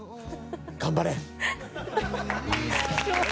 頑張れ！